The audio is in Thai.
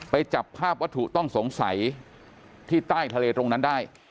จับภาพวัตถุต้องสงสัยที่ใต้ทะเลตรงนั้นได้